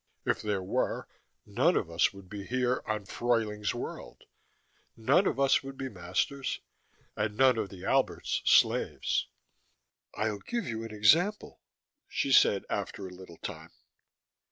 If there were, none of us would be here, on Fruyling's World. None of us would be masters, and none of the Alberts slaves." "I'll give you an example," she said after a little time.